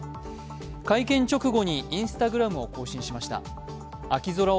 会見直後にＩｎｓｔａｇｒａｍを更新した木村さん。